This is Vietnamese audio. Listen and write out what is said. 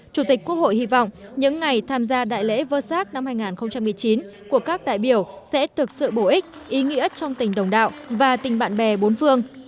chủ tịch quốc hội hy vọng những ngày tham gia đại lễ vơ sát năm hai nghìn một mươi chín của các đại biểu sẽ thực sự bổ ích ý nghĩa trong tình đồng đạo và tình bạn bè bốn phương